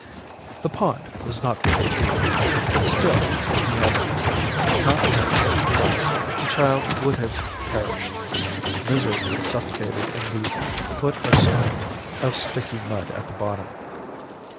"The pond was not very deep; but still, if he had not had such good eyes, the child would have perished miserably suffocated in the foot or so of sticky mud at the bottom.